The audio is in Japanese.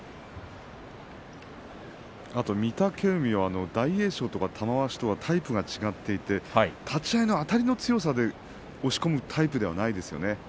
あと御嶽海は大栄翔とか玉鷲とはタイプが違っていて立ち合いのあたりの強さで押し込むタイプではないですよね。